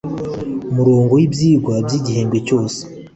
murongo w ibyigwa by igihembwe cyose